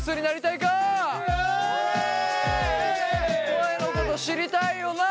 声のこと知りたいよな？